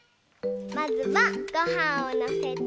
まずはごはんをのせて。